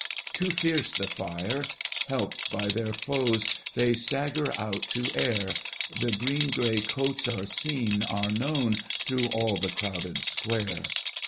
Too fierce the fire ! Helped by their foes They stagger out to air. The green gray coats are seen, are known Through all the crowded square.